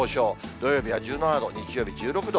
土曜日は１７度、日曜日１６度。